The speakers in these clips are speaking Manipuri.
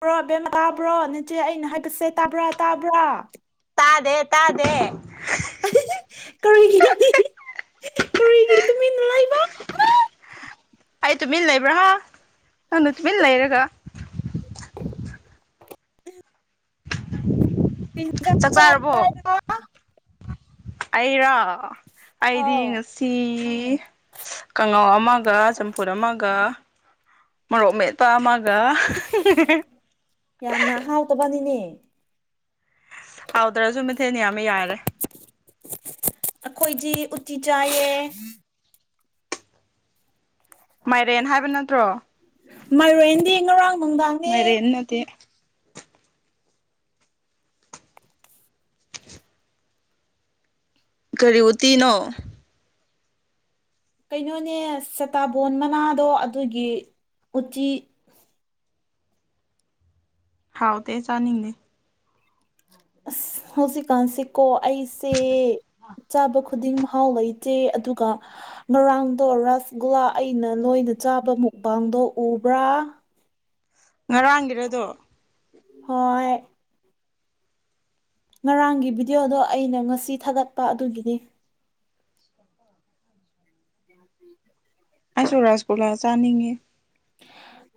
ꯕ꯭ꯔꯣ ꯕꯦꯝ ꯇꯥꯕ꯭ꯔꯣ ꯅꯆꯦ ꯑꯩꯅ ꯍꯥꯏꯕꯁꯦ ꯇꯥꯕ꯭ꯔꯥ ꯇꯥꯕ꯭ꯔꯥ ꯇꯥꯗꯦ ꯇꯥꯗꯦ [unintelligible] [unintelligible] ꯑꯩ ꯇꯨꯃꯤꯟ ꯂꯩꯕ꯭ꯔꯥ ꯅꯪꯅ ꯇꯨꯃꯤꯟ ꯂꯩꯔꯒ ꯄꯤꯖ ꯆꯥꯛ ꯆ ꯑꯩꯔꯥ ꯑꯩꯗꯤ ꯑꯥꯎ ꯉꯁꯤ ꯀꯥꯡꯉꯥꯎ ꯑꯃꯒ ꯆꯝꯐꯨꯠ ꯑꯃꯒ ꯃꯣꯔꯣꯛ ꯃꯠ ꯄꯥꯃꯒ ꯍ ꯍꯥꯎꯗ꯭ꯔꯁꯨ ꯃꯊꯤꯟꯅꯤꯌꯥꯝ ꯌꯥꯔꯦ ꯑꯩꯈꯣꯏꯖꯤ ꯎꯇꯤ ꯆꯥꯏꯌꯦ ꯃꯥꯏꯔꯦꯟ ꯍꯥꯏꯕ ꯅꯠꯇ꯭ꯔꯣ ꯃꯥꯏꯔꯦꯟꯗꯤ ꯉꯔꯥꯡ ꯅꯨꯡꯗꯥꯡꯅꯦ ꯃꯥꯏꯔꯦꯟ ꯅꯠꯇꯦ ꯀꯔꯤꯨꯇꯤꯅꯣ ꯀꯩꯅꯣꯅꯦ ꯆꯇꯥꯕꯣꯟ ꯃꯅꯥꯗꯣ ꯑꯗꯨꯒꯤ ꯎꯇꯤ ꯍꯥꯎꯇꯦ ꯆꯥꯅꯤꯡꯅꯦ ꯑꯁ ꯍꯧꯖꯤꯛ ꯀꯥꯟꯁꯦꯀꯣ ꯑꯩꯁꯦ ꯆꯥꯕ ꯈꯨꯗꯤꯡ ꯃꯍꯥꯎ ꯂꯩꯇꯦ ꯑꯗꯨꯒ ꯉꯔꯥꯡꯗꯣ ꯔꯁꯒꯨꯜꯂꯥ ꯑꯩꯅ ꯂꯣꯏꯅ ꯆꯥꯕ ꯃꯨꯛꯕꯥꯥꯡꯗꯣ ꯎꯕ꯭ꯔꯥ ꯉꯔꯥꯡꯒꯤꯔꯗꯣ ꯍꯣꯏ ꯉꯔꯥꯡꯒꯤ ꯚꯤꯗꯤꯑꯣꯗꯣ ꯑꯩꯅ ꯉꯁꯤ ꯊꯥꯒꯠꯄ ꯑꯗꯨꯒꯤꯅꯤ ꯑꯩꯁꯨ ꯔꯥꯁꯒꯨꯂꯥ ꯆꯥꯅꯤꯡꯉꯤ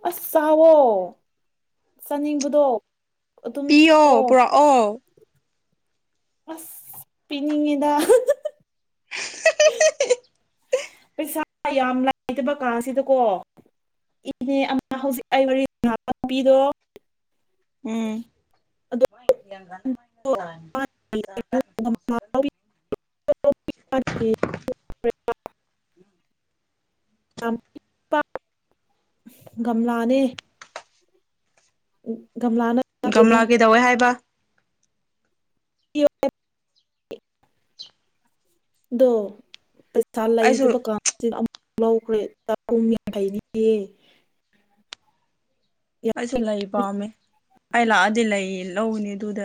ꯑꯁ ꯆꯥꯎꯋꯣ ꯆꯥꯅꯤꯡꯕꯗꯣ ꯑꯗꯨꯝ ꯄꯤꯑꯣ ꯆꯥꯋꯣ ꯄꯨꯔꯛꯑꯣ ꯑꯁ ꯄꯤꯅꯤꯡꯉꯤꯗ ꯄꯩꯁꯥ ꯌꯥꯝ ꯂꯩꯇꯕ ꯀꯥꯟꯁꯤꯗꯀꯣ [unintelligible] ꯎꯝ ꯑꯗꯨ [unintelligible] [inaudible] ꯒꯝꯂꯥꯅꯦ ꯒꯝꯂꯥꯅ ꯀꯩꯅꯣ ꯒꯝꯂꯥ ꯀꯩꯗꯧꯋꯦ ꯍꯥꯏꯕ [unintelligible] ꯗꯣ ꯄꯩꯁꯥ ꯑꯩꯁꯨ ꯂꯩꯇꯕ ꯀꯥꯟꯁꯤꯗ ꯑꯃꯨ ꯂꯧꯈ꯭ꯔꯦ ꯆꯥꯛꯈꯨꯝ ꯌꯥꯡꯈꯩꯅꯤꯌꯦ ꯑꯩꯁꯨ ꯂꯩ ꯄꯥꯝꯃꯦ ꯑꯩ ꯂꯥꯛꯑꯗꯤ ꯂꯩ ꯂꯧꯅꯤ ꯑꯗꯨꯗ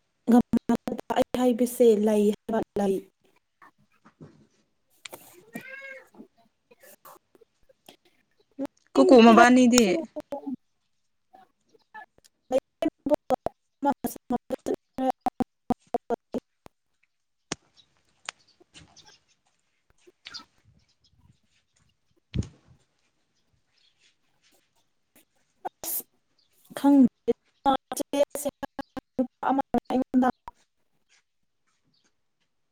[unintelligible] ꯀꯨꯀꯨ ꯃꯕꯥꯅꯤꯗꯤ [inaudible] [inaudible] [unintelligible] [inaudible]